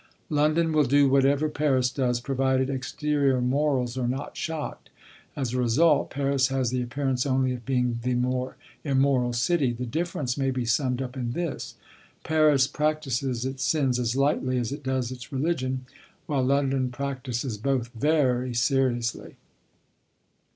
London will do whatever Paris does, provided exterior morals are not shocked. As a result, Paris has the appearance only of being the more immoral city. The difference may be summed up in this: Paris practices its sins as lightly as it does its religion, while London practices both very seriously.